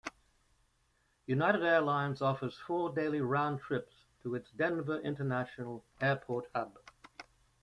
United Airlines offers four daily round trips to its Denver International Airport hub.